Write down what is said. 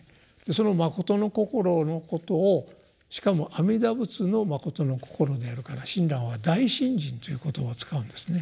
そのまことの心のことをしかも阿弥陀仏の「まことの心」であるから親鸞は「大信心」という言葉を使うんですね。